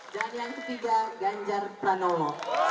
dan yang ketiga ganjar pranowo